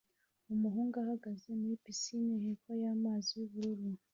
Umuhungu ahagaze muri pisine hepfo yamazi yubururu